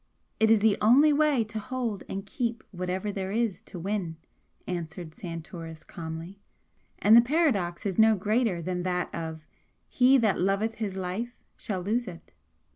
"It is the only way to hold and keep whatever there is to win," answered Santoris, calmly "And the paradox is no greater than that of 'He that loveth his life shall lose it.'